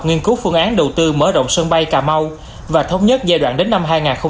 nghiên cứu phương án đầu tư mở rộng sân bay cà mau và thống nhất giai đoạn đến năm hai nghìn hai mươi năm